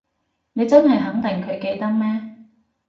你真係肯定佢記得咩？